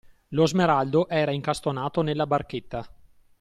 Lo smeraldo era incastonato nella barchetta.